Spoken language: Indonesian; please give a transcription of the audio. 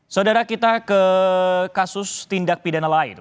saudara kita ke kasus tindak pidana lain